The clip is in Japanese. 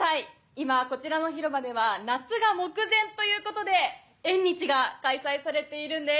今こちらの広場では夏が目前ということで縁日が開催されているんです。